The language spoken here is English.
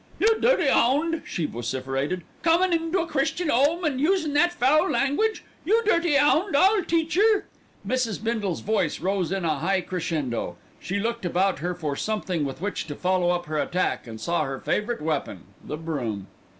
"You dirty 'ound," she vociferated, "comin' into a Christian 'ome and usin' that foul language. You dirty 'ound, I'll teach yer." Mrs. Bindle's voice rose in a high crescendo. She looked about her for something with which to follow up her attack and saw her favourite weapon the broom.